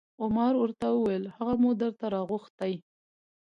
عمر ورته وویل: هغه مو درته راغوښتی